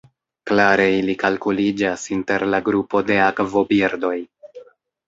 Klare ili kalkuliĝas inter la grupo de akvobirdoj.